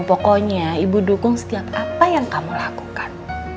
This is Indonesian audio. pokoknya ibu dukung setiap apa yang kamu lakukan